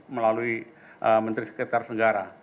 melalui menteri sekretaris negara